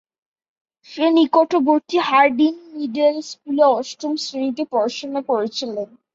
সে নিকটবর্তী Harding middle স্কুলে অষ্টম শ্রেণীতে পড়াশোনা করেছিলেন।